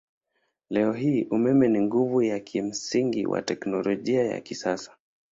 Leo hii umeme ni nguvu ya kimsingi wa teknolojia ya kisasa.